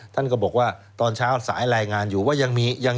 ท่านก็บอกว่าตอนเช้าสายรายงานอยู่ว่ายังมียัง